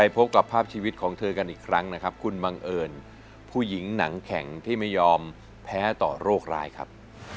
พบกับภาพชีวิตของเธอกันอีกครั้งนะครับคุณบังเอิญผู้หญิงหนังแข็งที่ไม่ยอมแพ้ต่อโรคร้ายครับ